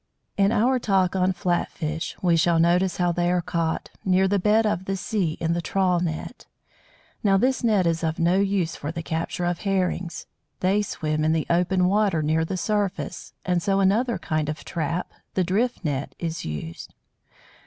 In our talk on flat fish we shall notice how they are caught, near the bed of the sea, in the trawl net. Now this net is of no use for the capture of Herrings. They swim in the open water, near the surface, and so another kind of trap, the drift net, is used.